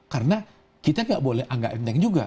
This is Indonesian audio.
karena kita tidak boleh anggap enteng juga